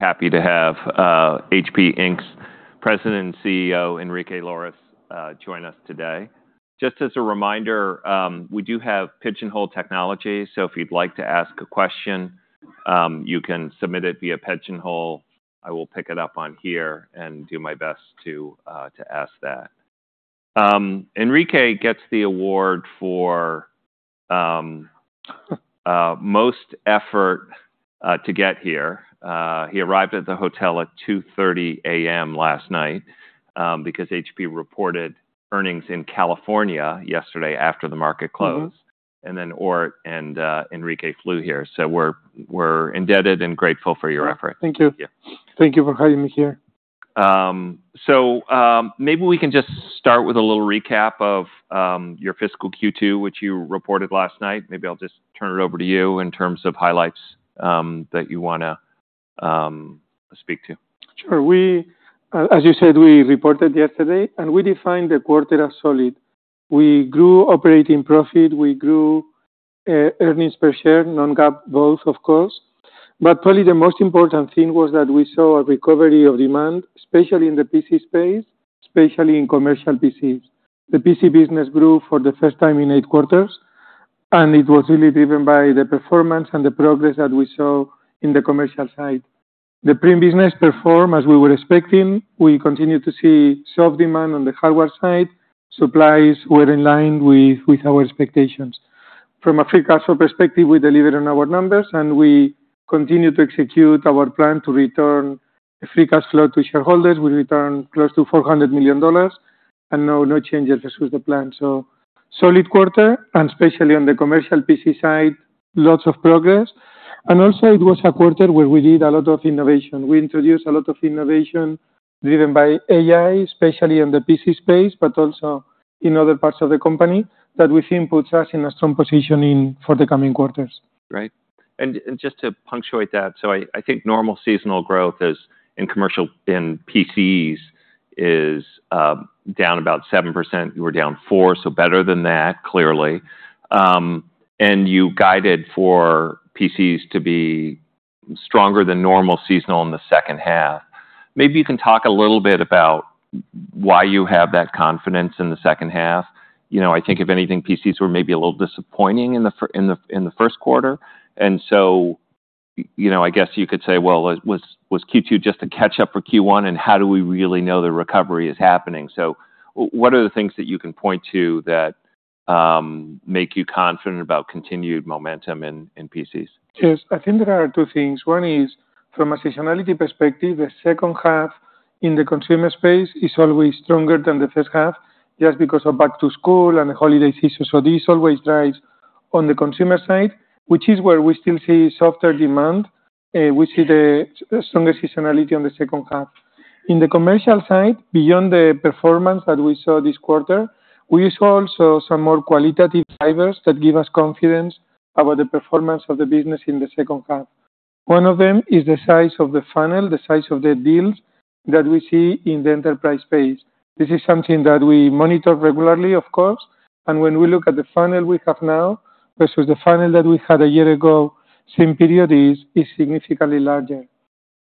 Happy to have HP Inc.'s President and CEO, Enrique Lores, join us today. Just as a reminder, we do have Pigeonhole Technology, so if you'd like to ask a question, you can submit it via Pigeonhole. I will pick it up on here and do my best to ask that. Enrique gets the award for most effort to get here. He arrived at the hotel at 2:30 A.M. last night because HP reported earnings in California yesterday after the market closed. Mm-hmm. Enrique flew here, so we're indebted and grateful for your effort. Thank you. Yeah. Thank you for having me here. So, maybe we can just start with a little recap of your fiscal Q2, which you reported last night. Maybe I'll just turn it over to you in terms of highlights that you wanna speak to. Sure. We, as you said, we reported yesterday, and we defined the quarter as solid. We grew operating profit, we grew earnings per share, non-GAAP, both of course. But probably the most important thing was that we saw a recovery of demand, especially in the PC space, especially in commercial PCs. The PC business grew for the first time in eight quarters, and it was really driven by the performance and the progress that we saw in the commercial side. The print business performed as we were expecting. We continued to see soft demand on the hardware side. Supplies were in line with our expectations. From a free cash flow perspective, we delivered on our numbers, and we continued to execute our plan to return the free cash flow to shareholders. We returned close to $400 million, and no change as with the plan. Solid quarter, and especially on the commercial PC side, lots of progress. Also it was a quarter where we did a lot of innovation. We introduced a lot of innovation driven by AI, especially in the PC space, but also in other parts of the company that we think puts us in a strong position in... for the coming quarters. Right. And just to punctuate that, so I think normal seasonal growth in commercial PCs is down about 7%. We're down 4%, so better than that, clearly. And you guided for PCs to be stronger than normal seasonal in the second half. Maybe you can talk a little bit about why you have that confidence in the second half. You know, I think if anything, PCs were maybe a little disappointing in the first quarter. And so, you know, I guess you could say, well, was Q2 just a catch up for Q1? And how do we really know the recovery is happening? So what are the things that you can point to that make you confident about continued momentum in PCs? Yes, I think there are two things. One is, from a seasonality perspective, the second half in the consumer space is always stronger than the first half, just because of back to school and the holiday season. So this always drives on the consumer side, which is where we still see softer demand, we see the stronger seasonality on the second half. In the commercial side, beyond the performance that we saw this quarter, we saw also some more qualitative drivers that give us confidence about the performance of the business in the second half. One of them is the size of the funnel, the size of the deals that we see in the enterprise space. This is something that we monitor regularly, of course, and when we look at the funnel we have now versus the funnel that we had a year ago, same period, is significantly larger.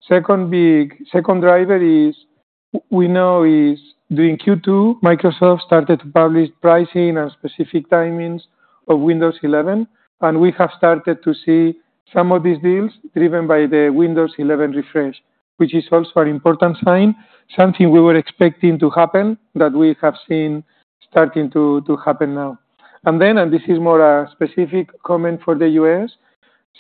Second big driver is, we know, during Q2, Microsoft started to publish pricing and specific timings of Windows 11, and we have started to see some of these deals driven by the Windows 11 refresh, which is also an important sign, something we were expecting to happen, that we have seen starting to happen now. And this is more a specific comment for the U.S.,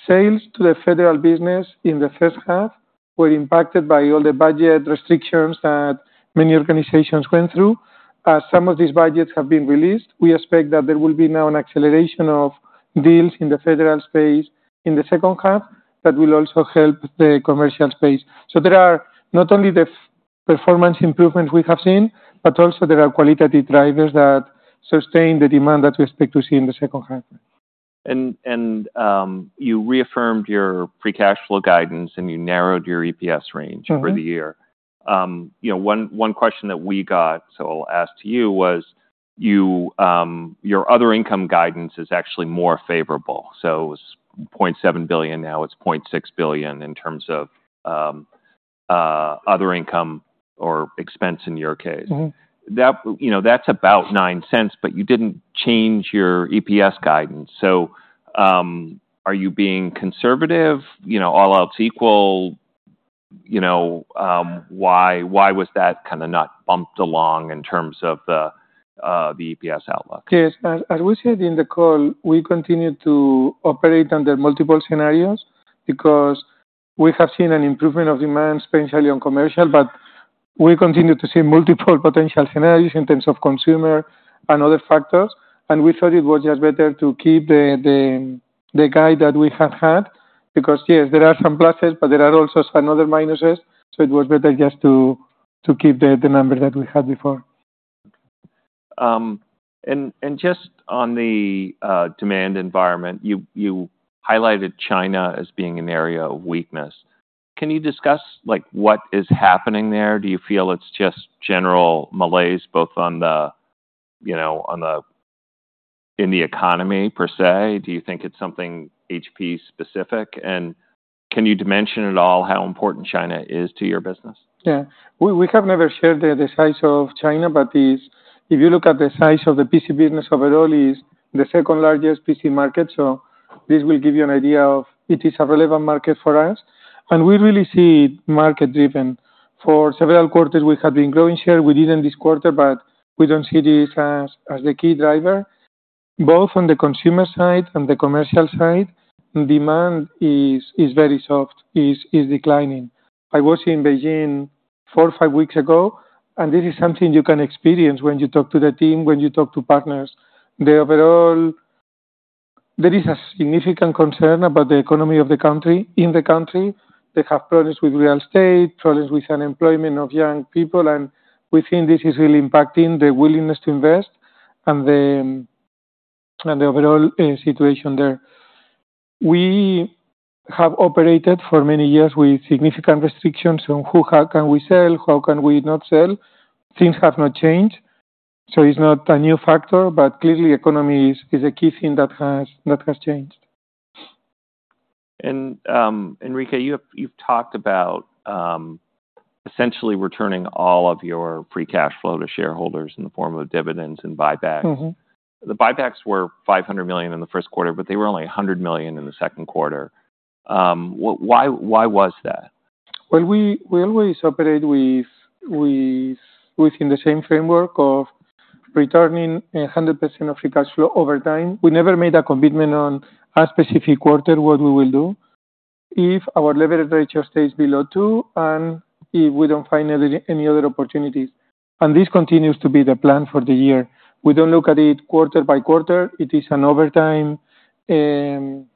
sales to the federal business in the first half were impacted by all the budget restrictions that many organizations went through. Some of these budgets have been released. We expect that there will be now an acceleration of deals in the federal space in the second half that will also help the commercial space. So there are not only the performance improvements we have seen, but also there are qualitative drivers that sustain the demand that we expect to see in the second half. You reaffirmed your free cash flow guidance, and you narrowed your EPS range. Mm-hmm. -for the year. You know, one, one question that we got, so I'll ask to you, was: You, your other income guidance is actually more favorable. So it was $0.7 billion, now it's $0.6 billion in terms of, other income or expense in your case. Mm-hmm. That, you know, that's about $0.09, but you didn't change your EPS guidance. So, are you being conservative? You know, all else equal, you know, why, why was that kind of not bumped along in terms of the EPS outlook? Yes. As we said in the call, we continue to operate under multiple scenarios because we have seen an improvement of demand, especially on commercial, but we continue to see multiple potential scenarios in terms of consumer and other factors. And we thought it was just better to keep the guide that we have had, because, yes, there are some pluses, but there are also some other minuses, so it was better just to keep the number that we had before. And just on the demand environment, you, you highlighted China as being an area of weakness. Can you discuss, like, what is happening there? Do you feel it's just general malaise, both on the, you know, in the economy per se? Do you think it's something HP specific? And can you dimension at all how important China is to your business? Yeah. We have never shared the size of China, but if you look at the size of the PC business overall, it is the second largest PC market, so this will give you an idea of it is a relevant market for us. And we really see market driven. For several quarters, we have been growing share. We did in this quarter, but we don't see this as the key driver. Both on the consumer side and the commercial side, demand is very soft, is declining. I was in Beijing four or five weeks ago, and this is something you can experience when you talk to the team, when you talk to partners. Overall, there is a significant concern about the economy of the country, in the country. They have problems with real estate, problems with unemployment of young people, and we think this is really impacting the willingness to invest and the, and the overall, situation there. We have operated for many years with significant restrictions on who, how can we sell, how can we not sell. Things have not changed, so it's not a new factor, but clearly economy is, is a key thing that has, that has changed. Enrique, you've talked about essentially returning all of your free cash flow to shareholders in the form of dividends and buybacks. Mm-hmm. The buybacks were $500 million in the first quarter, but they were only $100 million in the second quarter. Why, why was that? Well, we always operate with within the same framework of returning 100% of free cash flow over time. We never made a commitment on a specific quarter what we will do. If our leverage ratio stays below two, and if we don't find any other opportunities, and this continues to be the plan for the year. We don't look at it quarter by quarter, it is an over time plan,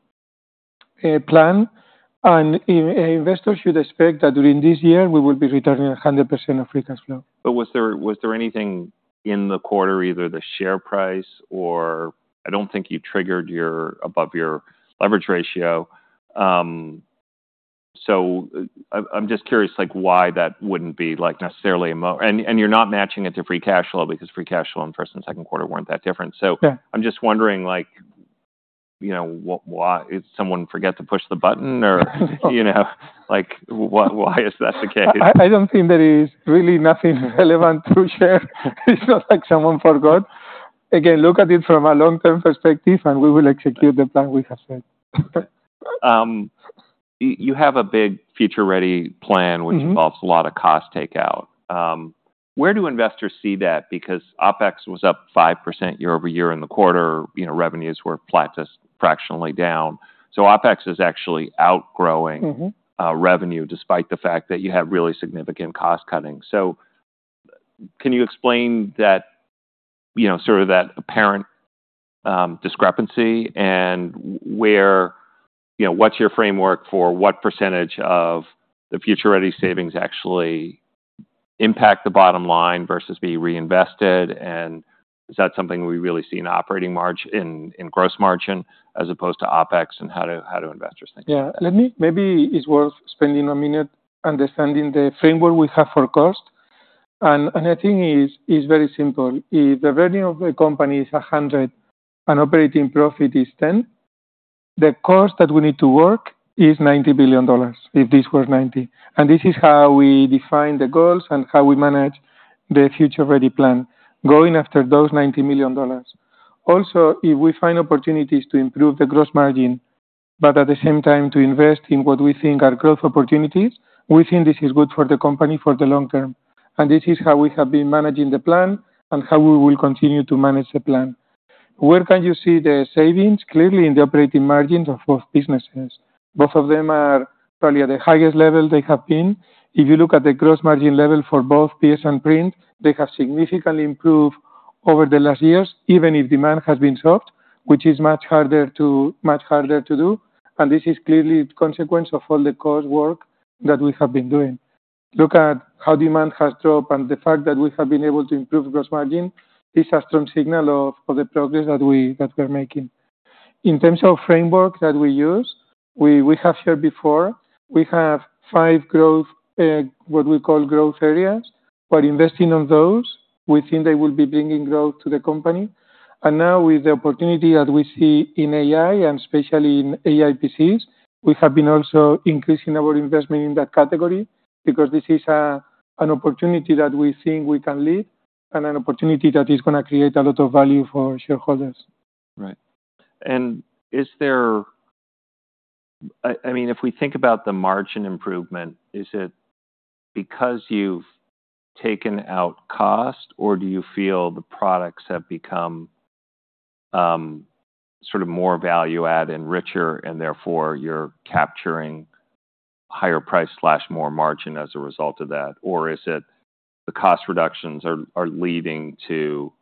and an investor should expect that during this year we will be returning 100% of free cash flow. But was there anything in the quarter, either the share price or I don't think you triggered above your leverage ratio. So, I'm just curious, like, why that wouldn't be, like, necessarily, and you're not matching it to free cash flow, because free cash flow in first and second quarter weren't that different. Yeah. So I'm just wondering, like, you know, why did someone forget to push the button, or you know, like, why is that the case? I don't think there is really nothing relevant to share. It's not like someone forgot. Again, look at it from a long-term perspective, and we will execute the plan we have said. You have a big Future Ready plan- Mm-hmm. -which involves a lot of cost takeout. Where do investors see that? Because OpEx was up 5% year-over-year in the quarter. You know, revenues were flat to fractionally down. So OpEx is actually outgrowing- Mm-hmm. Revenue, despite the fact that you have really significant cost cutting. So can you explain that, you know, sort of that apparent discrepancy, and where, you know, what's your framework for what percentage of the Future Ready savings actually impact the bottom line versus being reinvested? And is that something we really see in operating margin, in gross margin, as opposed to OpEx? And how do investors think? Yeah, let me, maybe it's worth spending a minute understanding the framework we have for cost. And the thing is, it's very simple. If the value of a company is 100 and operating profit is 10, the cost that we need to work is $90 billion, if this were 90. And this is how we define the goals and how we manage the Future Ready plan, going after those $90 million. Also, if we find opportunities to improve the gross margin, but at the same time to invest in what we think are growth opportunities, we think this is good for the company for the long term. And this is how we have been managing the plan, and how we will continue to manage the plan. Where can you see the savings? Clearly, in the operating margins of both businesses. Both of them are probably at the highest level they have been. If you look at the gross margin level for both PS and Print, they have significantly improved over the last years, even if demand has been soft, which is much harder to, much harder to do, and this is clearly a consequence of all the core work that we have been doing. Look at how demand has dropped and the fact that we have been able to improve gross margin. This is a strong signal of, of the progress that we, that we're making. In terms of framework that we use, we, we have shared before, we have five growth, what we call growth areas. By investing in those, we think they will be bringing growth to the company. And now with the opportunity that we see in AI and especially in AI PCs, we have been also increasing our investment in that category, because this is an opportunity that we think we can lead, and an opportunity that is gonna create a lot of value for shareholders. Right. And is there... I mean, if we think about the margin improvement, is it because you've taken out cost, or do you feel the products have become sort of more value-add and richer, and therefore you're capturing higher price or more margin as a result of that? Or is it the cost reductions are leading to,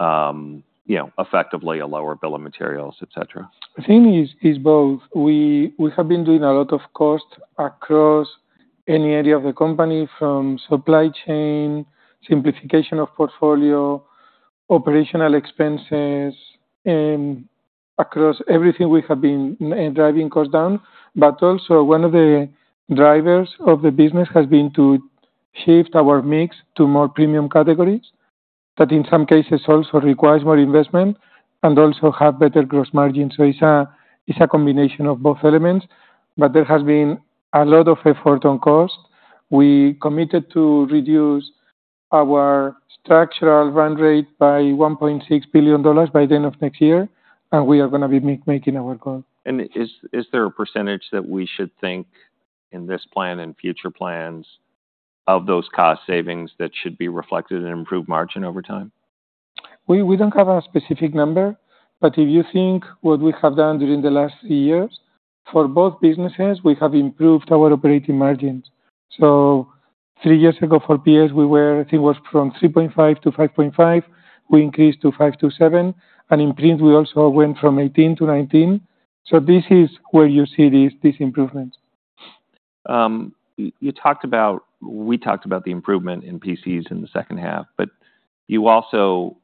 you know, effectively a lower bill of materials, et cetera? The thing is, both. We have been doing a lot of cost across any area of the company, from supply chain, simplification of portfolio, operational expenses, across everything, we have been driving costs down. But also, one of the drivers of the business has been to shift our mix to more premium categories, that in some cases also requires more investment and also have better gross margins. So it's a, it's a combination of both elements. But there has been a lot of effort on cost. We committed to reduce our structural run rate by $1.6 billion by the end of next year, and we are gonna be making our goal. Is there a percentage that we should think in this plan and future plans of those cost savings that should be reflected in improved margin over time? We don't have a specific number, but if you think what we have done during the last three years, for both businesses, we have improved our operating margins. So three years ago, for PS, we were, I think, it was from 3.5-5.5, we increased to 5-7, and in Print, we also went from 18-19. So this is where you see these improvements. You talked about—we talked about the improvement in PCs in the second half, but you also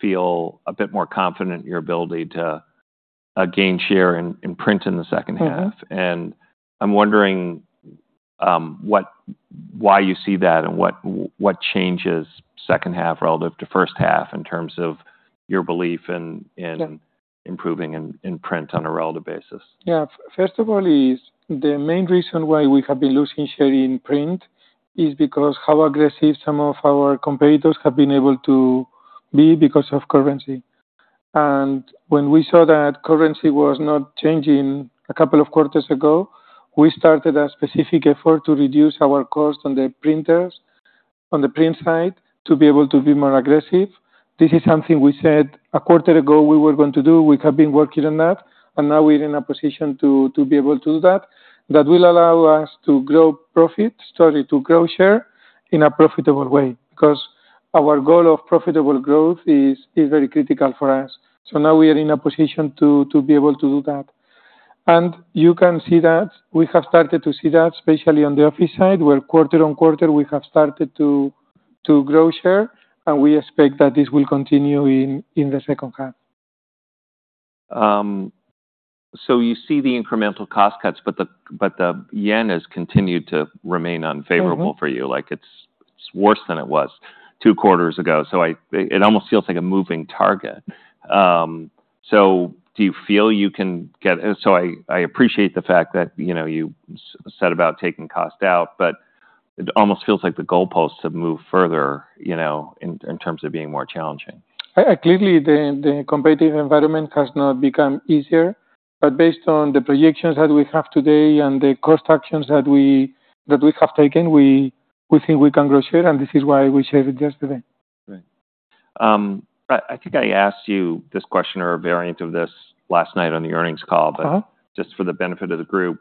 feel a bit more confident in your ability to gain share in Print in the second half. Mm-hmm. I'm wondering why you see that and what changes second half relative to first half in terms of your belief in in- Yeah... improving in Print on a relative basis? Yeah. First of all, is the main reason why we have been losing share in Print is because how aggressive some of our competitors have been able to be because of currency. And when we saw that currency was not changing a couple of quarters ago, we started a specific effort to reduce our cost on the printers, on the Print side, to be able to be more aggressive. This is something we said a quarter ago we were going to do. We have been working on that, and now we're in a position to, to be able to do that. That will allow us to grow profit, sorry, to grow share in a profitable way, because our goal of profitable growth is, is very critical for us. So now we are in a position to, to be able to do that. You can see that we have started to see that, especially on the office side, where quarter-over-quarter, we have started to grow share, and we expect that this will continue in the second half. So you see the incremental cost cuts, but the yen has continued to remain unfavorable- Mm-hmm... for you, like, it's worse than it was two quarters ago. So it almost feels like a moving target. So do you feel you can get... And so I appreciate the fact that, you know, you set about taking cost out, but it almost feels like the goalposts have moved further, you know, in terms of being more challenging. Clearly, the competitive environment has not become easier, but based on the projections that we have today and the cost actions that we have taken, we think we can grow share, and this is why we shared it yesterday. Right. I think I asked you this question or a variant of this last night on the earnings call- Uh-huh... but just for the benefit of the group.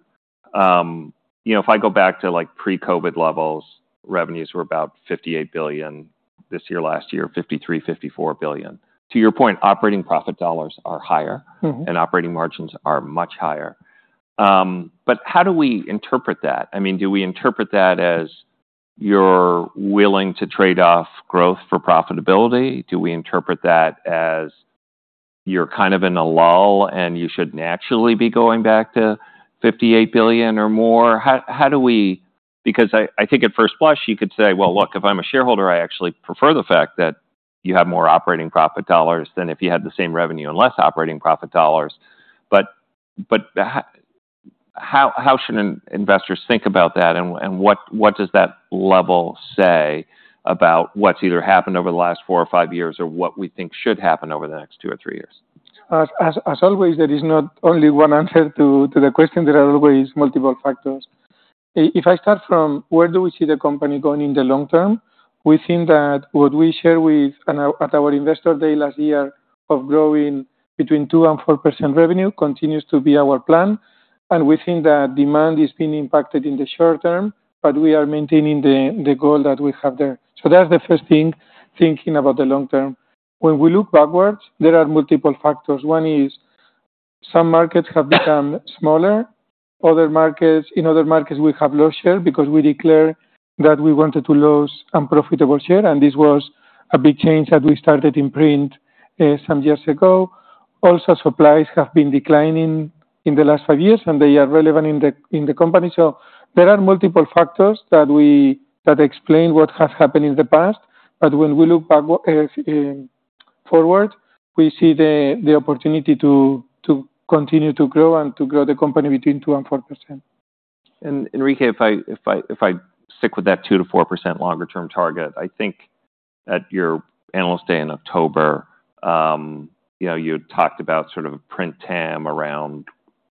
You know, if I go back to, like, pre-COVID levels, revenues were about $58 billion. This year, last year, $53-$54 billion. To your point, operating profit dollars are higher- Mm-hmm... and operating margins are much higher. But how do we interpret that? I mean, do we interpret that as you're willing to trade off growth for profitability? Do we interpret that as you're kind of in a lull, and you should naturally be going back to $58 billion or more? How do we... Because I think at first blush, you could say, "Well, look, if I'm a shareholder, I actually prefer the fact that you have more operating profit dollars than if you had the same revenue and less operating profit dollars." But how should investors think about that, and what does that level say about what's either happened over the last four or five years or what we think should happen over the next two or three years? As always, there is not only one answer to the question. There are always multiple factors. If I start from where do we see the company going in the long term, we think that what we share with and at our investor day last year of growing between 2% and 4% revenue continues to be our plan, and we think that demand is being impacted in the short term, but we are maintaining the goal that we have there. So that's the first thing, thinking about the long term. When we look backwards, there are multiple factors. One is some markets have become smaller. Other markets, in other markets, we have lost share because we declare that we wanted to lose unprofitable share, and this was a big change that we started in Print, some years ago. Also, supplies have been declining in the last 5 years, and they are relevant in the, in the company. So there are multiple factors that explain what has happened in the past, but when we look back, forward, we see the opportunity to continue to grow and to grow the company between 2% and 4%. And Enrique, if I stick with that 2%-4% longer term target, I think at your analyst day in October, you know, you had talked about sort of Print TAM around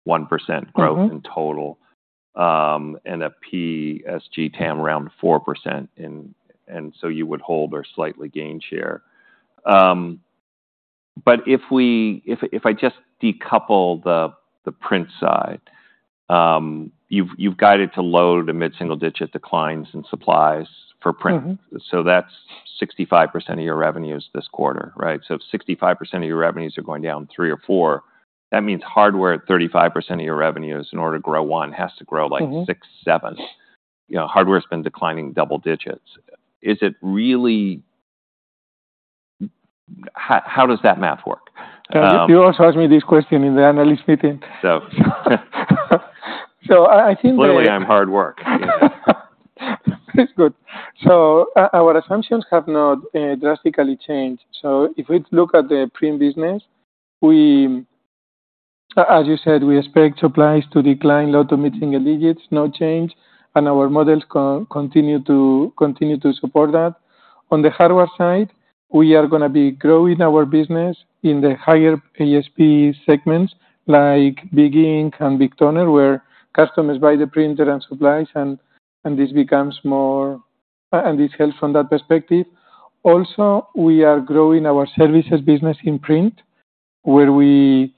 1% growth- Mm-hmm... in total, and a PSG TAM around 4% and, and so you would hold or slightly gain share. But if, if I just decouple the, the Print side, you've, you've guided to low- to mid-single-digit declines in supplies for Print. Mm-hmm. So that's 65% of your revenues this quarter, right? So if 65% of your revenues are going down three or four, that means hardware at 35% of your revenues in order to grow one has to grow like- Mm-hmm... six, seven. You know, hardware's been declining double digits. Is it really… how does that math work? You also asked me this question in the analyst meeting. So So I think that- Clearly, I'm hard work. It's good. Our assumptions have not drastically changed. So if we look at the print business, we, as you said, we expect supplies to decline low- to mid-single digits, no change, and our models continue to support that. On the hardware side, we are gonna be growing our business in the higher [PS and Print] segments, like Big Ink and Big Toner, where customers buy the printer and supplies and this becomes more... and this helps from that perspective. Also, we are growing our services business in print, where we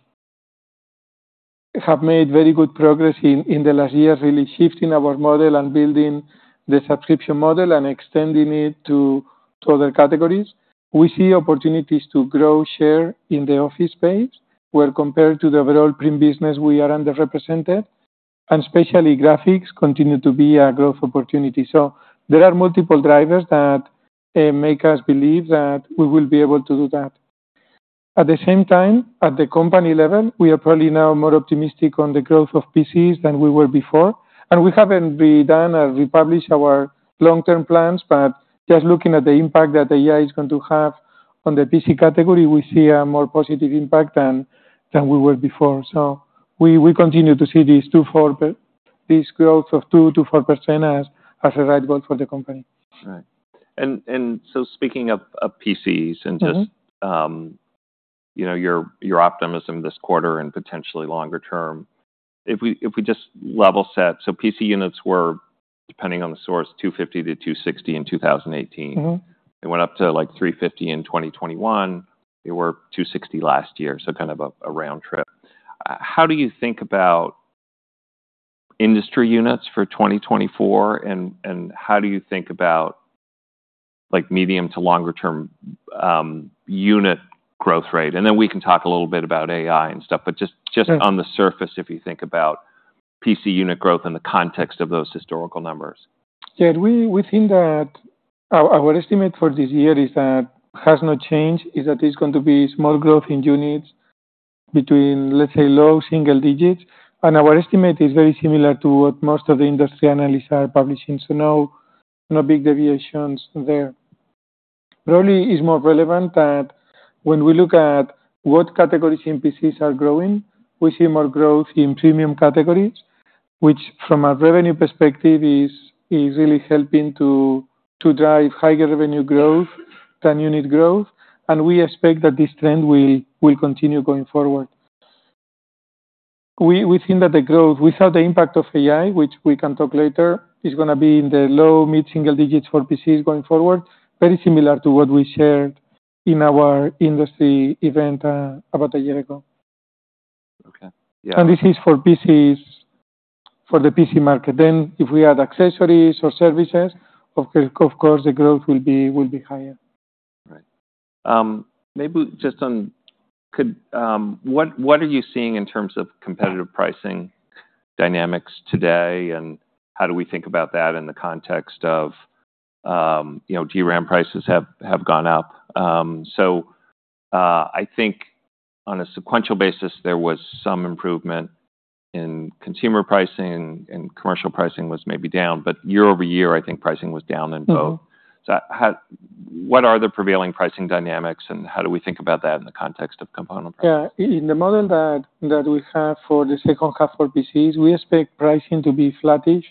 have made very good progress in the last year, really shifting our model and building the subscription model and extending it to other categories. We see opportunities to grow share in the office space, where compared to the overall print business, we are underrepresented, and especially graphics continue to be a growth opportunity. So there are multiple drivers that make us believe that we will be able to do that. At the same time, at the company level, we are probably now more optimistic on the growth of PCs than we were before, and we haven't redone or republished our long-term plans, but just looking at the impact that AI is going to have on the PC category, we see a more positive impact than we were before. So we continue to see this growth of 2%-4% as a right goal for the company. Right. And so speaking of PCs- Mm-hmm... and just, you know, your, your optimism this quarter and potentially longer term, if we, if we just level set, so PC units were, depending on the source, 250-260 in 2018. Mm-hmm. It went up to, like, 350 in 2021. They were 260 last year, so kind of a round trip. How do you think about industry units for 2024, and how do you think about, like, medium- to longer-term unit growth rate? And then we can talk a little bit about AI and stuff, but just- Sure... just on the surface, if you think about PC unit growth in the context of those historical numbers. Yeah, we think that our estimate for this year has not changed, is that it's going to be small growth in units between, let's say, low single digits. And our estimate is very similar to what most of the industry analysts are publishing, so no big deviations there. Probably is more relevant that when we look at what categories in PCs are growing, we see more growth in premium categories, which, from a revenue perspective, is really helping to drive higher revenue growth than unit growth. And we expect that this trend will continue going forward. We think that the growth without the impact of AI, which we can talk later, is gonna be in the low mid-single digits for PCs going forward, very similar to what we shared in our industry event about a year ago. Okay. Yeah. This is for PCs, for the PC market. Then, if we add accessories or services, of course, the growth will be higher. Right. Maybe just, what are you seeing in terms of competitive pricing dynamics today, and how do we think about that in the context of, you know, DRAM prices have gone up? So, I think on a sequential basis, there was some improvement in consumer pricing, and commercial pricing was maybe down, but year-over-year, I think pricing was down in both. Mm-hmm. So, what are the prevailing pricing dynamics, and how do we think about that in the context of component pricing? Yeah. In the model that we have for the second half of PCs, we expect pricing to be flattish.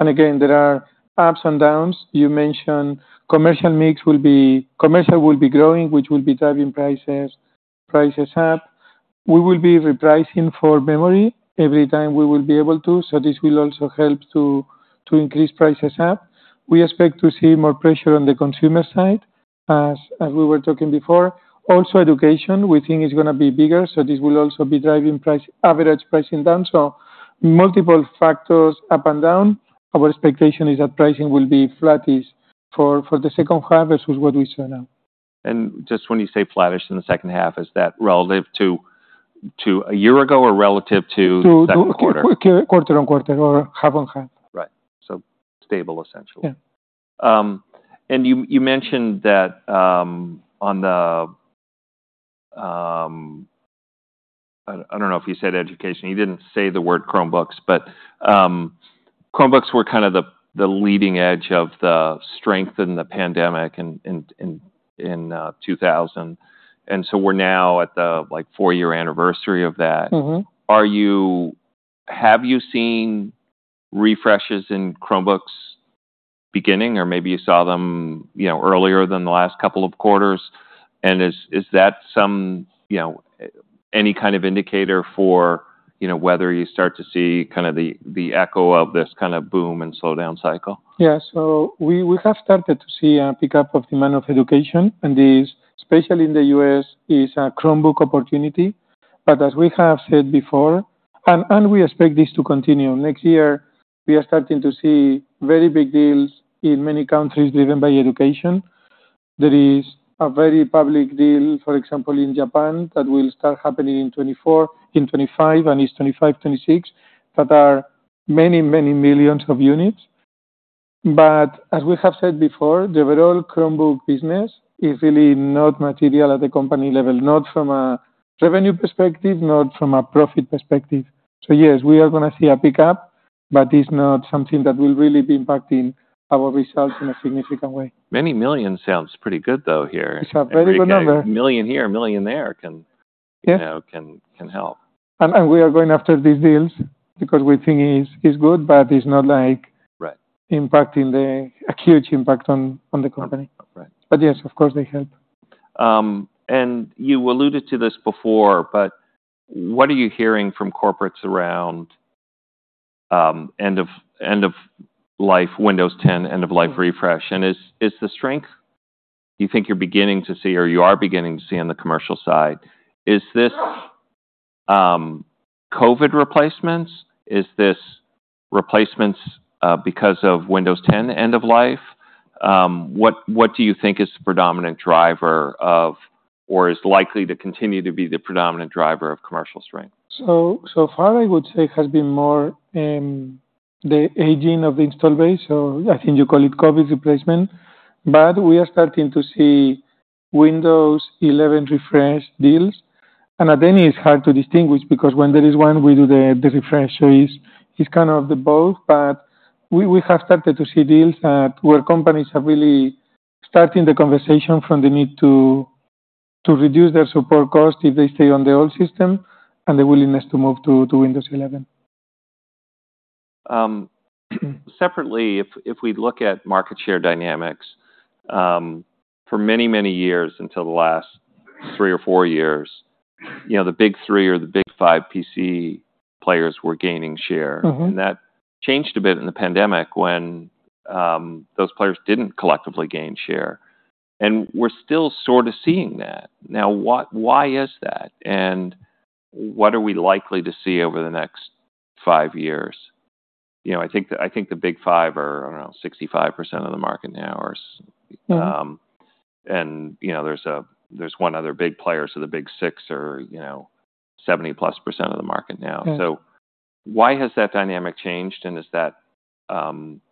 Again, there are ups and downs. You mentioned commercial mix will be—commercial will be growing, which will be driving prices up. We will be repricing for memory every time we will be able to, so this will also help to increase prices up. We expect to see more pressure on the consumer side, as we were talking before. Also, education, we think is gonna be bigger, so this will also be driving average pricing down. Multiple factors up and down. Our expectation is that pricing will be flattish for the second half versus what we sell now. Just when you say flattish in the second half, is that relative to a year ago or relative to- To-... second quarter? Quarter-on-quarter or half-on-half. Right. So stable, essentially. Yeah. You mentioned that on the... I don't know if you said education. You didn't say the word Chromebooks, but Chromebooks were kind of the leading edge of the strength in the pandemic in 2000. So we're now at the like four-year anniversary of that. Mm-hmm. Have you seen refreshes in Chromebooks beginning, or maybe you saw them, you know, earlier than the last couple of quarters? And is, is that some, you know, any kind of indicator for, you know, whether you start to see kind of the, the echo of this kind of boom and slowdown cycle? Yeah. So we, we have started to see a pickup of demand of education, and this, especially in the U.S., is a Chromebook opportunity. But as we have said before, and, and we expect this to continue, next year, we are starting to see very big deals in many countries driven by education. There is a very public deal, for example, in Japan, that will start happening in 2024, in 2025 and 2025, 2026, that are many, many millions of units. But as we have said before, the overall Chromebook business is really not material at the company level, not from a revenue perspective, not from a profit perspective. So yes, we are going to see a pickup, but it's not something that will really be impacting our results in a significant way. Many millions sounds pretty good, though, here. It's a very good number. A million here, a million there, can- Yeah you know, can help. We are going after these deals because we think it's good, but it's not like- Right a huge impact on the company. Right. Yes, of course, they help. And you alluded to this before, but what are you hearing from corporates around end of life Windows 10 end of life refresh? And is the strength you think you're beginning to see or you are beginning to see on the commercial side, is this COVID replacements? Is this replacements because of Windows 10 end of life? What do you think is the predominant driver of or is likely to continue to be the predominant driver of commercial strength? So far, I would say, has been more the aging of the install base, so I think you call it COVID replacement. But we are starting to see Windows 11 refresh deals. And anyway, it's hard to distinguish, because when there is one, we do the refresh. So it's kind of both. But we have started to see deals where companies are really starting the conversation from the need to reduce their support costs if they stay on the old system, and the willingness to move to Windows 11. Separately, if we look at market share dynamics, for many, many years, until the last three or four years, you know, the big three or the big five PC players were gaining share. Mm-hmm. That changed a bit in the pandemic when those players didn't collectively gain share, and we're still sort of seeing that. Now, what, why is that, and what are we likely to see over the next five years? You know, I think the, I think the big five are, I don't know, 65% of the market now, or... Mm-hmm. You know, there's one other big player, so the big six are, you know, 70%+ of the market now. Yeah. Why has that dynamic changed, and is that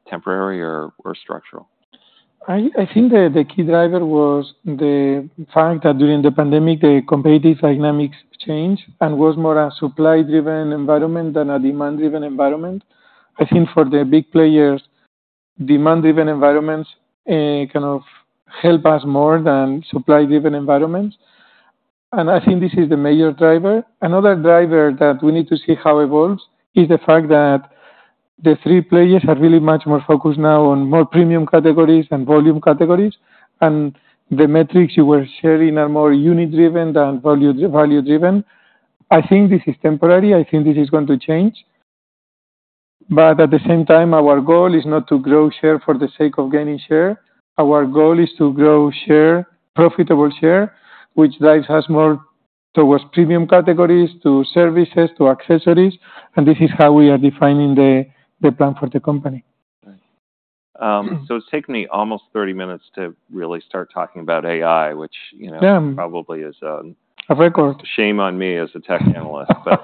temporary or structural? I think the key driver was the fact that during the pandemic, the competitive dynamics changed and was more a supply-driven environment than a demand-driven environment. I think for the big players, demand-driven environments kind of help us more than supply-driven environments, and I think this is the major driver. Another driver that we need to see how it evolves is the fact that the three players are really much more focused now on more premium categories and volume categories, and the metrics you were sharing are more unit-driven than value-driven. I think this is temporary. I think this is going to change. But at the same time, our goal is not to grow share for the sake of gaining share. Our goal is to grow share, profitable share, which drives us more towards premium categories, to services, to accessories, and this is how we are defining the plan for the company. So it's taken me almost 30 minutes to really start talking about AI, which, you know- Yeah -probably is, um- A record ...shame on me as a tech analyst. But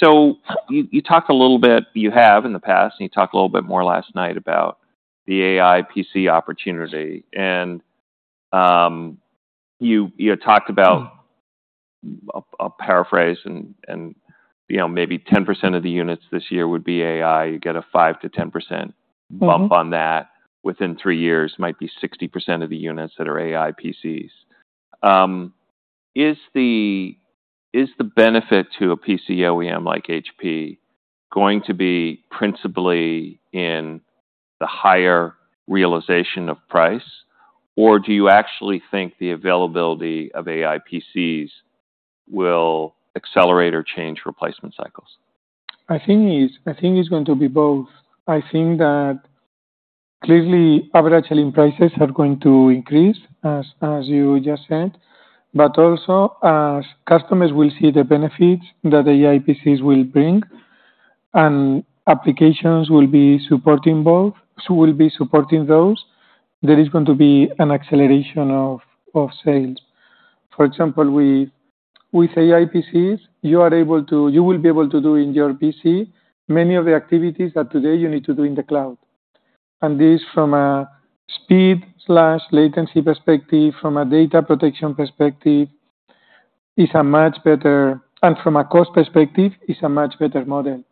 so you talked a little bit, you have in the past, and you talked a little bit more last night about the AI PC opportunity. And you talked about, I'll paraphrase and you know, maybe 10% of the units this year would be AI. You get a 5%-10%- Mm-hmm Jump on that. Within three years, might be 60% of the units that are AI PCs. Is the benefit to a PC OEM like HP going to be principally in the higher realization of price, or do you actually think the availability of AI PCs will accelerate or change replacement cycles? I think it's going to be both. I think that clearly average selling prices are going to increase, as you just said, but also as customers will see the benefits that the AI PCs will bring, and applications will be supporting both, so will be supporting those. There is going to be an acceleration of sales. For example, with AI PCs, you are able to—you will be able to do in your PC many of the activities that today you need to do in the cloud. And this from a speed/latency perspective, from a data protection perspective, is a much better... And from a cost perspective, is a much better model.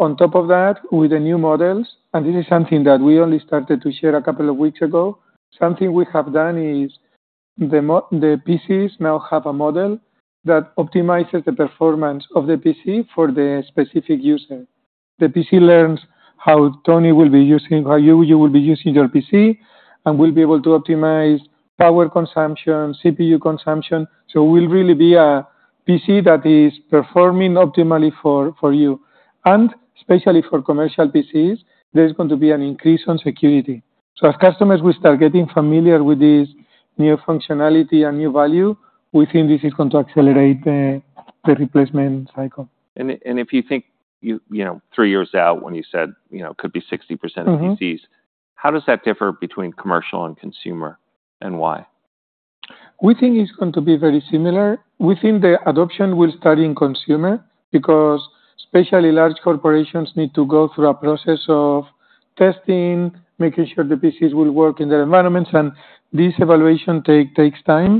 On top of that, with the new models, and this is something that we only started to share a couple of weeks ago, something we have done is the PCs now have a model that optimizes the performance of the PC for the specific user. The PC learns how Toni will be using, how you will be using your PC, and will be able to optimize power consumption, CPU consumption. So it will really be a PC that is performing optimally for you. And especially for commercial PCs, there's going to be an increase in security. So as customers will start getting familiar with this new functionality and new value, we think this is going to accelerate the replacement cycle. If you think you know, three years out when you said, you know, could be 60% of PCs- Mm-hmm How does that differ between commercial and consumer, and why? ...We think it's going to be very similar. We think the adoption will start in consumer, because especially large corporations need to go through a process of testing, making sure the PCs will work in their environments, and this evaluation takes time,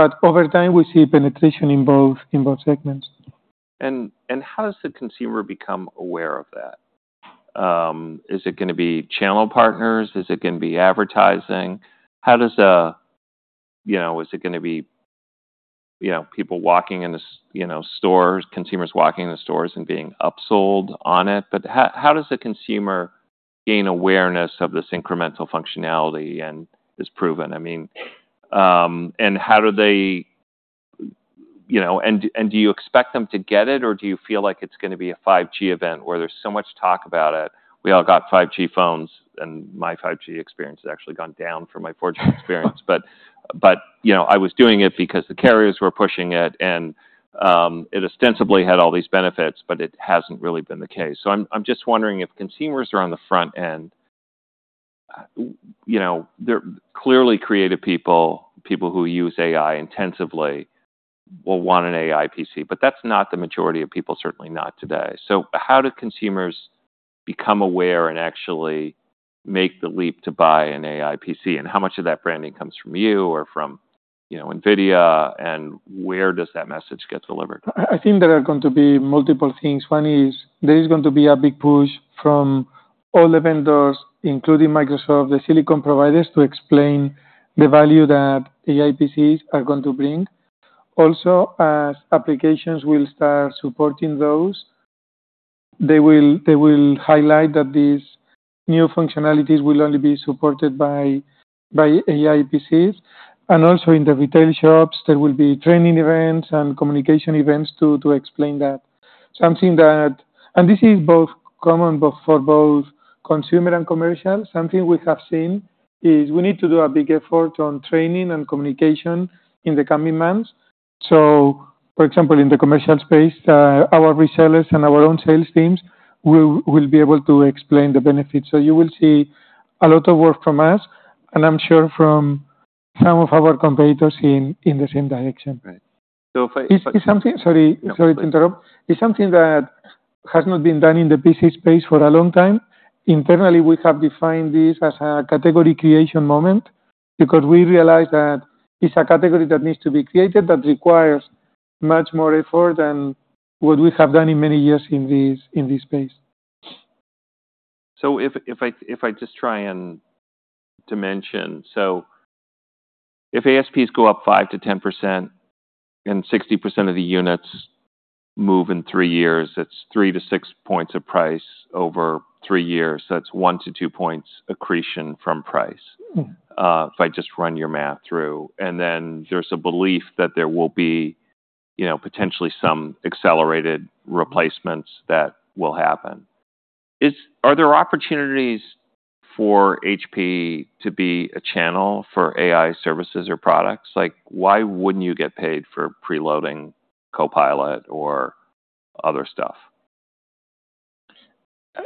but over time, we see penetration in both, in both segments. And how does the consumer become aware of that? Is it gonna be channel partners? Is it gonna be advertising? How does, you know, is it gonna be, you know, people walking in the stores, consumers walking in the stores and being upsold on it? But how does the consumer gain awareness of this incremental functionality, and is proven? And how do they, you know, and do you expect them to get it, or do you feel like it's gonna be a 5G event where there's so much talk about it? We all got 5G phones, and my 5G experience has actually gone down from my 4G experience. But you know, I was doing it because the carriers were pushing it, and it ostensibly had all these benefits, but it hasn't really been the case. So I'm just wondering if consumers are on the front end, you know, they're clearly creative people, people who use AI intensively will want an AI PC, but that's not the majority of people, certainly not today. So how do consumers become aware and actually make the leap to buy an AI PC, and how much of that branding comes from you or from, you know, NVIDIA, and where does that message get delivered? I think there are going to be multiple things. One is there is going to be a big push from all the vendors, including Microsoft, the silicon providers, to explain the value that AI PCs are going to bring. Also, as applications will start supporting those, they will highlight that these new functionalities will only be supported by AI PCs. And also in the retail shops, there will be training events and communication events to explain that. Something that... This is both common for both consumer and commercial. Something we have seen is we need to do a big effort on training and communication in the coming months. So, for example, in the commercial space, our resellers and our own sales teams will be able to explain the benefits. So you will see a lot of work from us, and I'm sure from some of our competitors in the same direction. Right. So if I- It's something... Sorry, sorry to interrupt. No, please. It's something that has not been done in the PC space for a long time. Internally, we have defined this as a category creation moment, because we realize that it's a category that needs to be created, that requires much more effort than what we have done in many years in this, in this space. So if ASPs go up 5%-10% and 60% of the units move in three years, it's 3-6 points of price over three years. So that's 1-2 points accretion from price- Mm-hmm. If I just run your math through. And then there's a belief that there will be, you know, potentially some accelerated replacements that will happen. Are there opportunities for HP to be a channel for AI services or products? Like, why wouldn't you get paid for preloading Copilot or other stuff?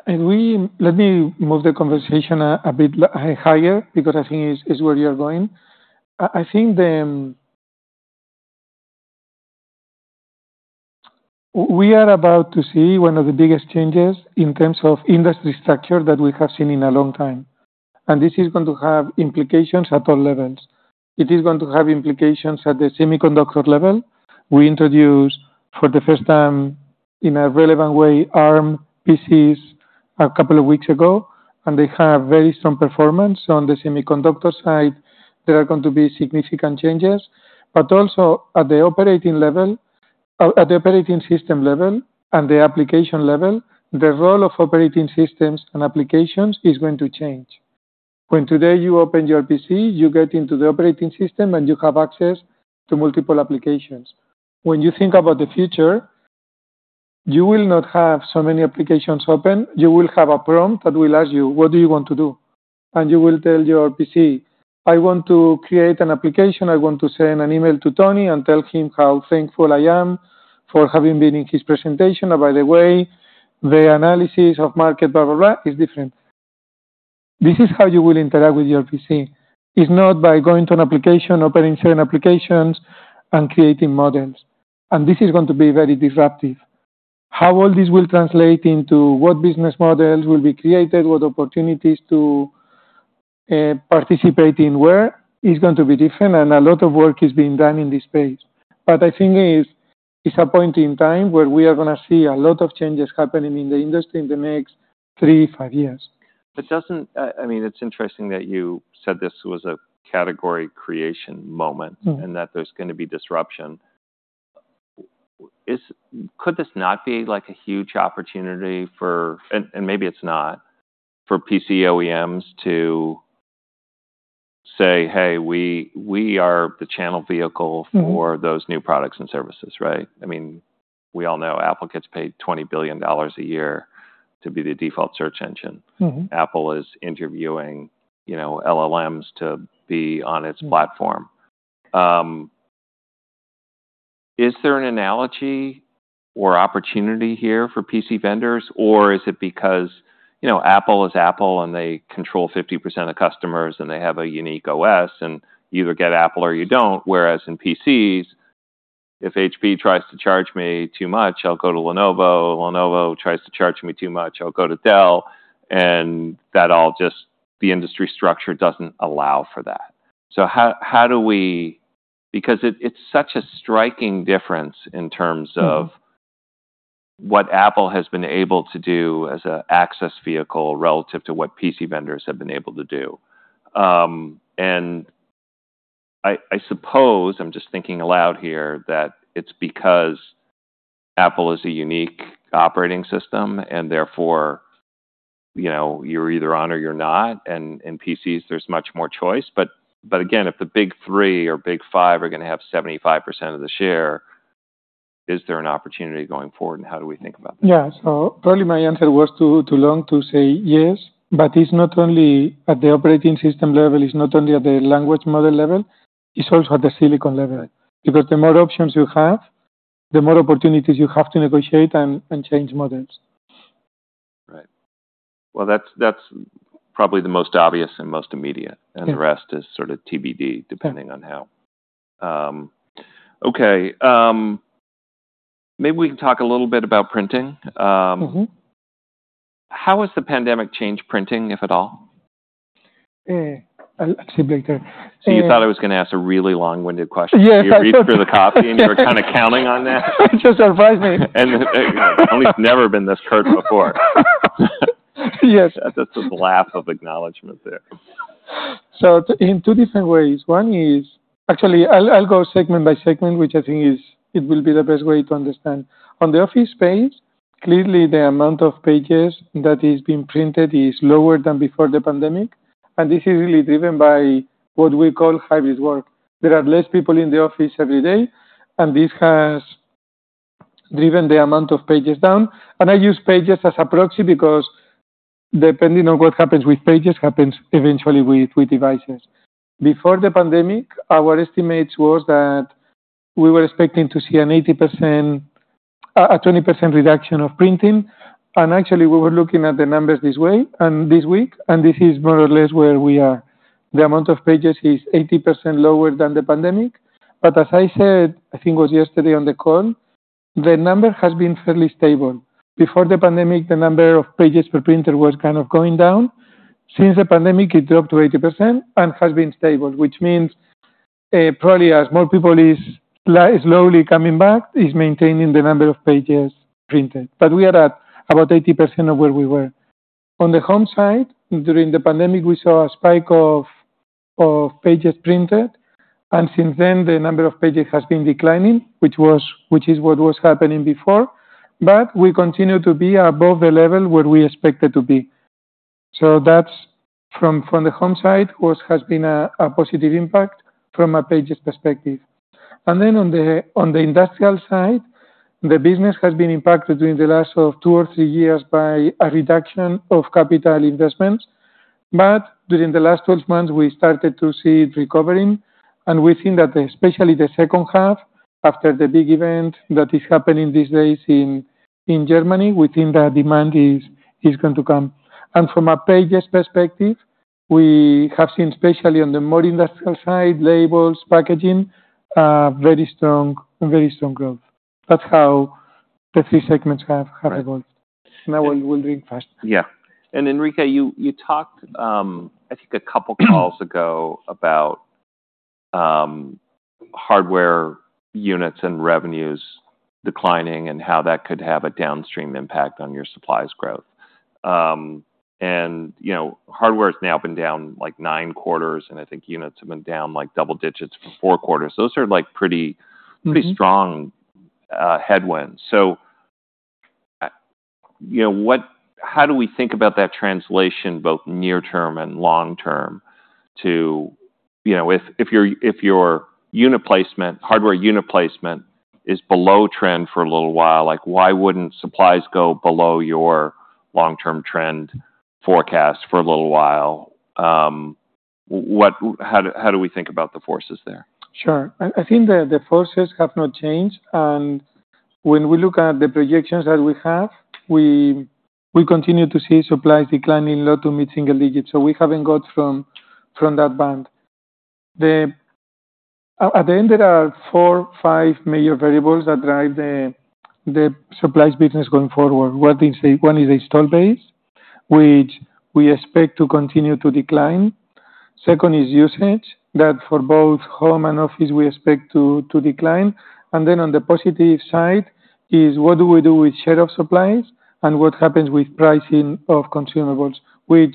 Let me move the conversation a bit higher, because I think it's where you're going. I think we are about to see one of the biggest changes in terms of industry structure that we have seen in a long time, and this is going to have implications at all levels. It is going to have implications at the semiconductor level. We introduced, for the first time, in a relevant way, ARM PCs a couple of weeks ago, and they have very strong performance. On the semiconductor side, there are going to be significant changes, but also at the operating level, at the operating system level and the application level, the role of operating systems and applications is going to change. When today you open your PC, you get into the operating system, and you have access to multiple applications. When you think about the future, you will not have so many applications open. You will have a prompt that will ask you: What do you want to do? And you will tell your PC: I want to create an application. I want to send an email to Toni and tell him how thankful I am for having been in his presentation, and by the way, the analysis of market blah, blah, blah is different. This is how you will interact with your PC. It's not by going to an application, opening certain applications, and creating models, and this is going to be very disruptive. How all this will translate into what business models will be created, what opportunities to participate in where, is going to be different, and a lot of work is being done in this space. I think it is a point in time where we are gonna see a lot of changes happening in the industry in the next 3-5 years. But doesn't... I mean, it's interesting that you said this was a category creation moment- Mm-hmm... and that there's gonna be disruption. Could this not be, like, a huge opportunity for... And, and maybe it's not, for PC OEMs to say, "Hey, we, we are the channel vehicle- Mm-hmm —for those new products and services," right? I mean, we all know Apple gets paid $20 billion a year to be the default search engine. Mm-hmm. Apple is interviewing, you know, LLMs to be on its- Mm -platform. Is there an analogy or opportunity here for PC vendors, or is it because, you know, Apple is Apple, and they control 50% of customers, and they have a unique OS, and you either get Apple or you don't? Whereas in PCs, if HP tries to charge me too much, I'll go to Lenovo. If Lenovo tries to charge me too much, I'll go to Dell, and that all just the industry structure doesn't allow for that. So how, how do we, because it, it's such a striking difference in terms of what Apple has been able to do as an access vehicle relative to what PC vendors have been able to do. And I suppose I'm just thinking aloud here, that it's because Apple is a unique operating system, and therefore, you know, you're either on or you're not, and in PCs there's much more choice. But again, if the big three or big five are gonna have 75% of the share, is there an opportunity going forward, and how do we think about that? Yeah. So probably my answer was too long to say yes, but it's not only at the operating system level, it's not only at the language model level, it's also at the silicon level. Because the more options you have, the more opportunities you have to negotiate and change models. Right. Well, that's, that's probably the most obvious and most immediate. Yeah. And the rest is sort of TBD, depending on how... Okay. Maybe we can talk a little bit about printing. Mm-hmm. How has the pandemic changed printing, if at all? Actually, later, So you thought I was gonna ask a really long-winded question? Yes, You read through the copy, and you were kind of counting on that? It just surprised me. And only never been this curved before. Yes. That's just a laugh of acknowledgment there. So in two different ways. One is... Actually, I'll, I'll go segment by segment, which I think is, it will be the best way to understand. On the office space, clearly the amount of pages that is being printed is lower than before the pandemic, and this is really driven by what we call hybrid work. There are less people in the office every day, and this has driven the amount of pages down. And I use pages as approach because depending on what happens with pages, happens eventually with, with devices. Before the pandemic, our estimates was that we were expecting to see an 80%... a 20% reduction of printing. And actually, we were looking at the numbers this way, and this week, and this is more or less where we are. The amount of pages is 80% lower than the pandemic, but as I said, I think it was yesterday on the call, the number has been fairly stable. Before the pandemic, the number of pages per printer was kind of going down. Since the pandemic, it dropped to 80% and has been stable, which means, probably as more people is slowly coming back, is maintaining the number of pages printed. But we are at about 80% of where we were. On the home side, during the pandemic, we saw a spike of, of pages printed, and since then, the number of pages has been declining, which was, which is what was happening before. But we continue to be above the level where we expected to be. So that's from, from the home side, what has been a, a positive impact from a pages perspective. And then on the, on the industrial side, the business has been impacted during the last two or three years by a reduction of capital investments. But during the last 12 months, we started to see it recovering, and we think that especially the second half, after the big event that is happening these days in, in Germany, we think that demand is, is going to come. And from a pages perspective, we have seen, especially on the more industrial side, labels, packaging, very strong, very strong growth. That's how the three segments have- Right evolved. Now we'll read first. Yeah. And Enrique, you talked, I think a couple calls ago about hardware units and revenues declining and how that could have a downstream impact on your supplies growth. And, you know, hardware has now been down like nine quarters, and I think units have been down like double digits for four quarters. Those are, like, pretty- Mm-hmm... pretty strong headwinds. So, you know, what—how do we think about that translation, both near term and long term, to, you know, if, if your, if your unit placement, hardware unit placement is below trend for a little while, like, why wouldn't supplies go below your long-term trend forecast for a little while? What, how do we think about the forces there? Sure. I think the forces have not changed, and when we look at the projections that we have, we continue to see supplies declining low- to mid-single digits, so we haven't got from that band. At the end, there are four or five major variables that drive the supplies business going forward. One is install base, which we expect to continue to decline. Second is usage, that for both home and office, we expect to decline. And then on the positive side is what do we do with share of supplies and what happens with pricing of consumables, which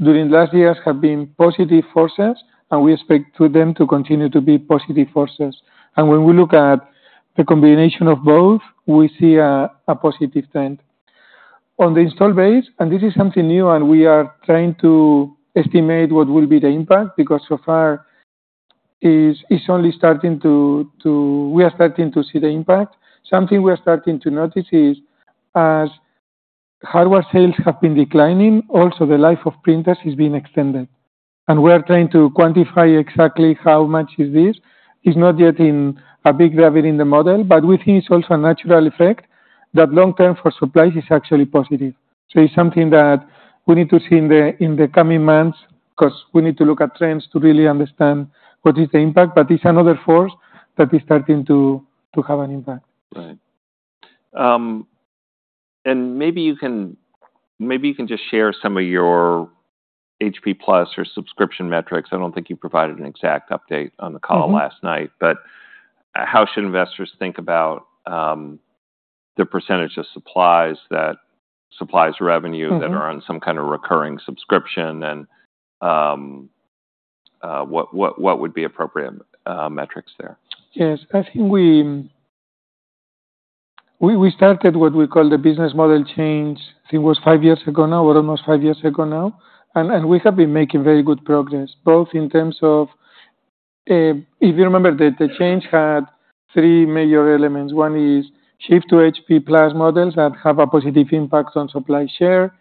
during last years have been positive forces, and we expect them to continue to be positive forces. And when we look at the combination of both, we see a positive trend. On the install base, and this is something new, and we are trying to estimate what will be the impact, because so far is, it's only starting to... We are starting to see the impact. Something we are starting to notice is, hardware sales have been declining. Also, the life of printers is being extended, and we are trying to quantify exactly how much is this. It's not yet a big factor in the model, but we think it's also a natural effect that long-term for supplies is actually positive. So it's something that we need to see in the coming months, 'cause we need to look at trends to really understand what is the impact. But it's another force that is starting to have an impact. Right. Maybe you can, maybe you can just share some of your HP+ or subscription metrics. I don't think you provided an exact update on the call last night. Mm-hmm. But how should investors think about the percentage of supplies that supplies revenue? Mm-hmm. -that are on some kind of recurring subscription? And, what would be appropriate metrics there? Yes. I think we started what we call the business model change. I think it was five years ago now, or almost five years ago now, and we have been making very good progress, both in terms of... If you remember, the change had three major elements. One is shift to HP+ models that have a positive impact on supply share.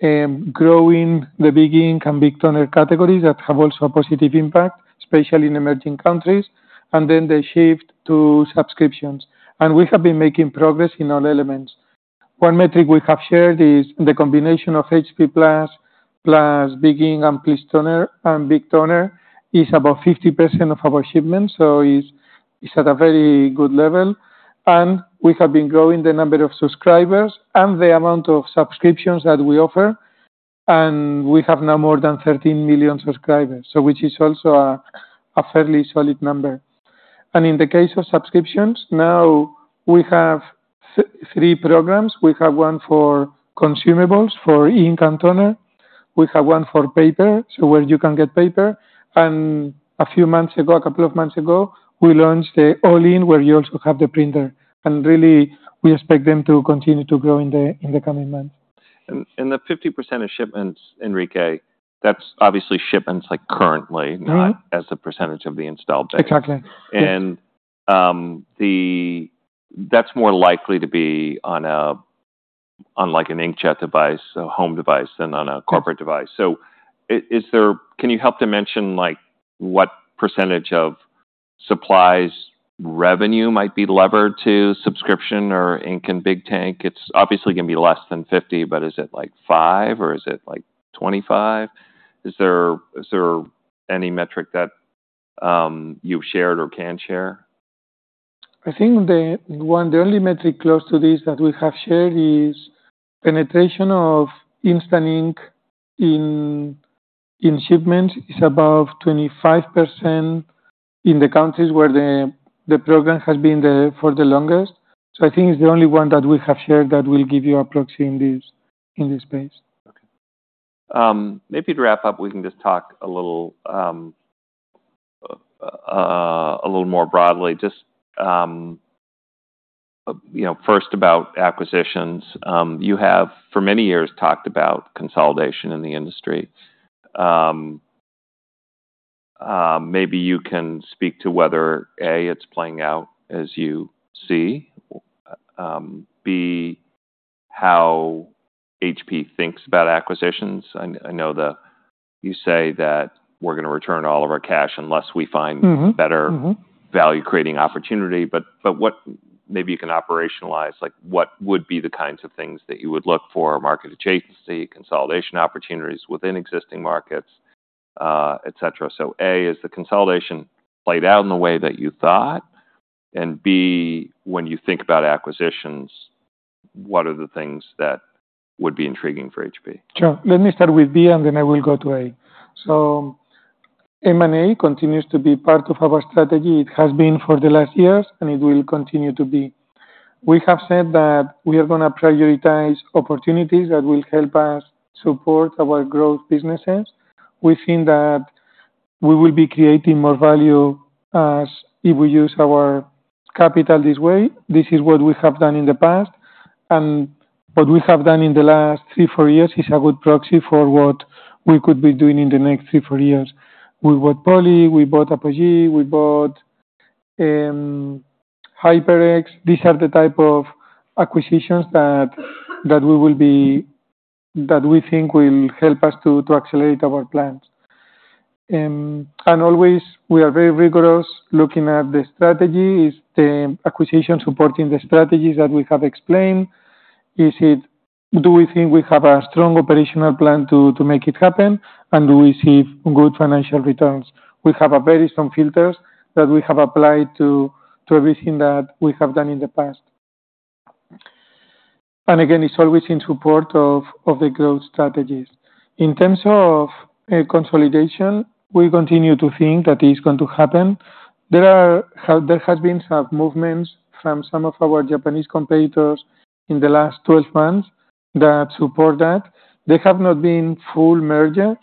Growing the Big Ink and big toner categories that have also a positive impact, especially in emerging countries, and then the shift to subscriptions. And we have been making progress in all elements. One metric we have shared is the combination of HP+, plus Big Ink and plus toner and big toner is about 50% of our shipments, so it's at a very good level. We have been growing the number of subscribers and the amount of subscriptions that we offer, and we have now more than 13 million subscribers, so which is also a fairly solid number. In the case of subscriptions, now we have three programs. We have one for consumables, for ink and toner. We have one for paper, so where you can get paper, and a few months ago, a couple of months ago, we launched the All-In, where you also have the printer. Really, we expect them to continue to grow in the coming months. And the 50% of shipments, Enrique, that's obviously shipments, like, currently- Mm-hmm... not as a percentage of the installed base. Exactly. That's more likely to be on a, on, like, an inkjet device, a home device, than on a corporate device. Yes. So, is there... Can you help to mention, like, what percentage of supplies revenue might be levered to subscription or ink and big tank? It's obviously gonna be less than 50%, but is it, like, 5%, or is it, like, 25%? Is there, is there any metric that you've shared or can share? I think the only metric close to this that we have shared is penetration of Instant Ink in shipments is above 25% in the countries where the program has been there for the longest. So I think it's the only one that we have shared that will give you a proxy in this space. Okay. Maybe to wrap up, we can just talk a little more broadly. Just, you know, first about acquisitions. You have, for many years, talked about consolidation in the industry. Maybe you can speak to whether, A, it's playing out as you see, B, how HP thinks about acquisitions. I know the, you say that we're gonna return all of our cash unless we find- Mm-hmm, mm-hmm... better value-creating opportunity. But, but what, maybe you can operationalize, like, what would be the kinds of things that you would look for? Market adjacency, consolidation opportunities within existing markets, et cetera. So A, has the consolidation played out in the way that you thought? And B, when you think about acquisitions, what are the things that would be intriguing for HP? Sure. Let me start with B, and then I will go to A. M&A continues to be part of our strategy. It has been for the last years, and it will continue to be. We have said that we are gonna prioritize opportunities that will help us support our growth businesses. We think that we will be creating more value as if we use our capital this way. This is what we have done in the past, and what we have done in the last three, four years is a good proxy for what we could be doing in the next three, four years. We bought Poly, we bought Apogee, we bought HyperX. These are the type of acquisitions that we think will help us to accelerate our plans. And always, we are very rigorous looking at the strategy. Is the acquisition supporting the strategies that we have explained? Is it? Do we think we have a strong operational plan to make it happen, and do we see good financial returns? We have a very strong filters that we have applied to everything that we have done in the past. And again, it's always in support of the growth strategies. In terms of consolidation, we continue to think that it's going to happen. There has been some movements from some of our Japanese competitors in the last 12 months that support that. They have not been full mergers,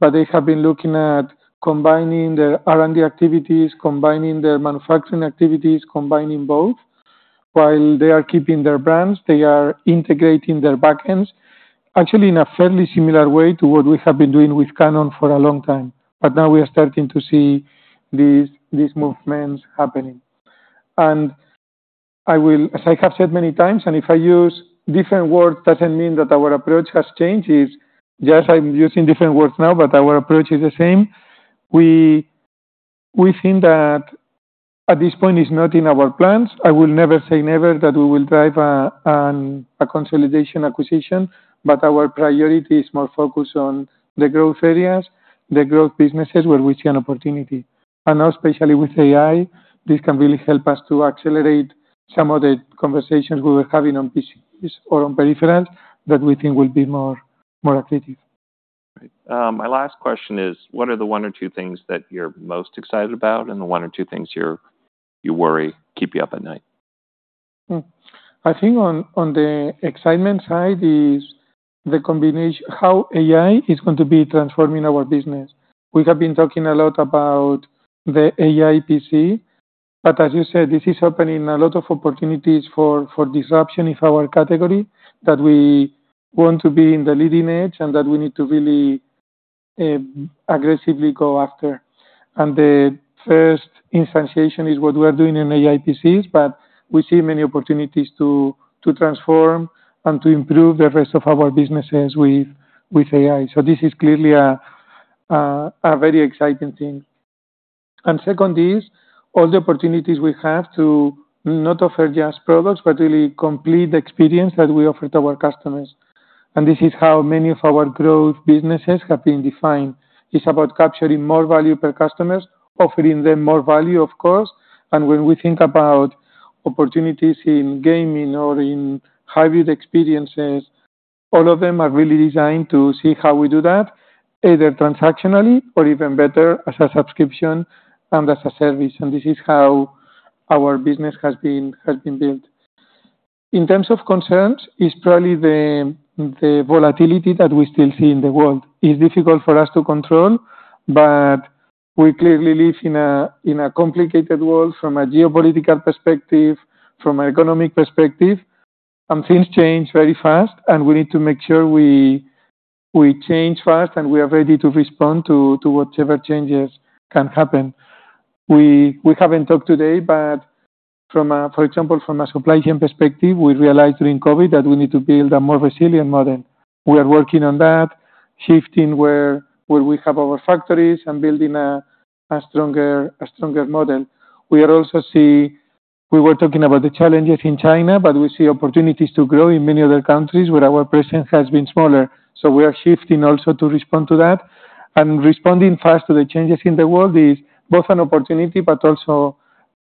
but they have been looking at combining their R&D activities, combining their manufacturing activities, combining both. While they are keeping their brands, they are integrating their back ends, actually in a fairly similar way to what we have been doing with Canon for a long time, but now we are starting to see these movements happening... And I will, as I have said many times, and if I use different words, doesn't mean that our approach has changed, is just I'm using different words now, but our approach is the same. We think that at this point, it's not in our plans. I will never say never, that we will drive a consolidation acquisition, but our priority is more focused on the growth areas, the growth businesses where we see an opportunity. And now, especially with AI, this can really help us to accelerate some of the conversations we were having on PCs or on peripherals that we think will be more, more attractive. Right. My last question is: What are the one or two things that you're most excited about, and the one or two things you're, you worry keep you up at night? Hmm. I think on the excitement side is the combination, how AI is going to be transforming our business. We have been talking a lot about the AI PC, but as you said, this is opening a lot of opportunities for disruption in our category, that we want to be in the leading edge, and that we need to really aggressively go after. And the first instantiation is what we are doing in AI PCs, but we see many opportunities to transform and to improve the rest of our businesses with AI. So this is clearly a very exciting thing. And second is all the opportunities we have to not offer just products, but really complete experience that we offer to our customers. And this is how many of our growth businesses have been defined. It's about capturing more value per customers, offering them more value, of course. And when we think about opportunities in gaming or in hybrid experiences, all of them are really designed to see how we do that, either transactionally or even better, as a subscription and as a service. And this is how our business has been, has been built. In terms of concerns, it's probably the volatility that we still see in the world. It's difficult for us to control, but we clearly live in a complicated world from a geopolitical perspective, from an economic perspective. And things change very fast, and we need to make sure we change fast, and we are ready to respond to whatever changes can happen. We haven't talked today, but for example, from a supply chain perspective, we realized during COVID that we need to build a more resilient model. We are working on that, shifting where we have our factories and building a stronger model. We are also seeing. We were talking about the challenges in China, but we see opportunities to grow in many other countries where our presence has been smaller. So we are shifting also to respond to that. And responding fast to the changes in the world is both an opportunity, but also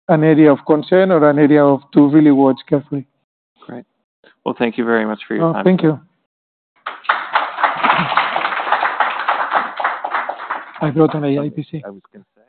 an area of concern or an area of to really watch carefully. Great. Well, thank you very much for your time. Oh, thank you. I've got an AI PC. I was gonna say.